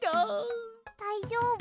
だいじょうぶ？